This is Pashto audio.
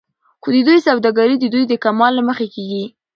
خو د دوى سوداګري د دوى د کمال له مخې کېږي